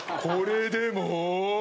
これでも？